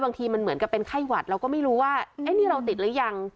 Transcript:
บางทีมันเหมือนกับเป็นไข้หวัดเราก็ไม่รู้ว่านี่เราติดหรือยัง